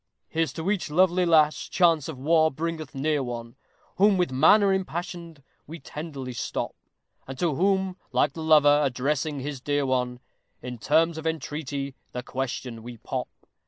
Here's to each lovely lass chance of war bringeth near one, Whom, with manner impassioned, we tenderly stop; And to whom, like the lover addressing his dear one, In terms of entreaty the question we pop.